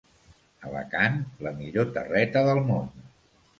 Alacant, la millor terreta del món.